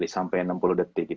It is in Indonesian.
sampai enam puluh detik